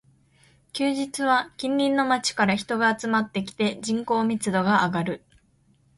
休日は近隣の街から人が集まってきて、人口密度が上がる